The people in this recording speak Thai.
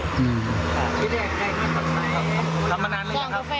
ทำมานานหรือยังครับ